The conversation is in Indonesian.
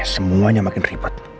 semuanya makin rehat ya